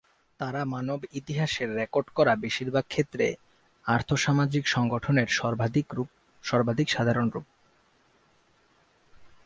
তারা মানব ইতিহাসের রেকর্ড করা বেশিরভাগ ক্ষেত্রে আর্থ-সামাজিক সংগঠনের সর্বাধিক সাধারণ রূপ।